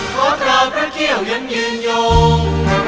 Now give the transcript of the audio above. ขอตาพระเกี่ยวยังยืนยง